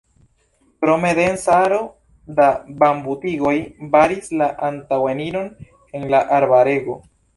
Krome densa aro da bambutigoj baris la antaŭeniron en la arbarego.